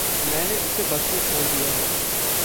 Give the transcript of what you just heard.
मैंने उसे बस में छोड़ दिया होगा।